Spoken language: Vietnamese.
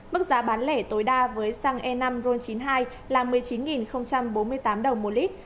mức giá bán lẻ tối đa với xăng e năm ron chín mươi hai là một mươi chín bốn mươi tám đồng một lít